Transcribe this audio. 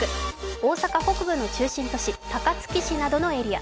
大阪北部の中心都市・高槻市などのエリア。